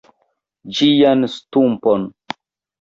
ĝian stumpon.